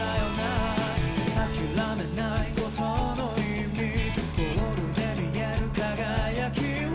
「諦めないことの意味」「ゴールで見える輝きを」